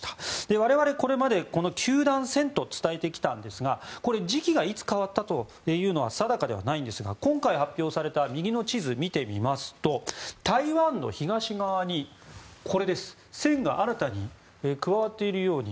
我々、これまで九段線と伝えてきたんですがいつ変わったかというのは定かではないんですが今回、発表された右の地図を見てみますと台湾の東側に線が新たに加わっているように。